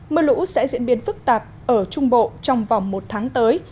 mưa lũ sẽ diễn biến phức tạp ở trung bộ trong vòng một tháng tới